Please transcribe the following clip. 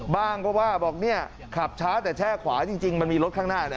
บ้างก็บอกว่าขับช้าแต่แช่ขวาจริงมันมีรถข้างหน้า